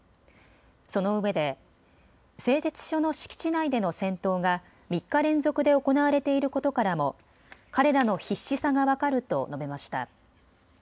そのうえで製鉄所の敷地内での戦闘が３日連続で行われていることからも彼らの必死さが分かると述べました。